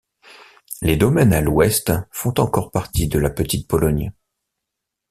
Les domaines à l'ouest font encore partie de la Petite-Pologne.